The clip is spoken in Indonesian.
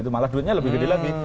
malah duitnya lebih gede lagi